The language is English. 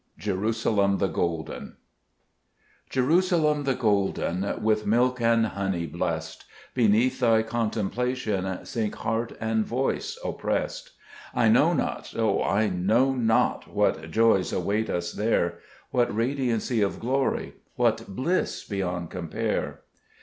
15 Jerusalem tbe (Soifcen* JERUSALEM the golden, *J With milk and honey blest ! Beneath thy contemplation Sink heart and voice opprest. I know not, O I know not, What joys await us there ; What radiancy of glory, What bliss beyond compare.